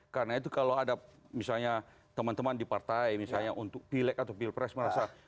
karena itu kalau ada misalnya teman teman di partai misalnya untuk pilek atau pilpres merasa